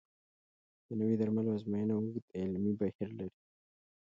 د نوي درملو ازموینه اوږد علمي بهیر لري.